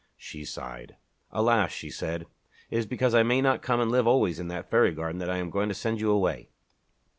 She sighed. "Alas!" she said, "it is because I may not come and live always in that fairy garden that I am going to send you away."